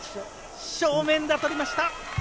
正面が捕りました。